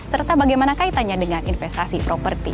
serta bagaimana kaitannya dengan investasi properti